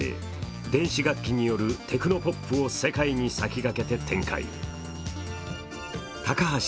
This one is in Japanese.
電子楽器によるテクノポップを世界に先駆けて発信。